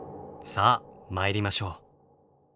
さあ参りましょう。